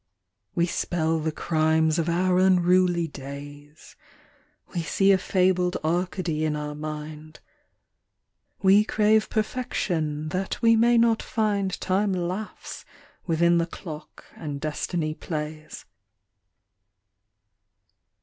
42 The Complex Life. We spell the crimes of our unruly da We see a fabled Arcady in our mind, We crave perfection that v it find Time laughs within the clock and Destiny plays.